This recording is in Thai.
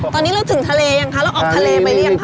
ตอนนี้เราถึงทะเลแล้วออกทะเลไปยังคะ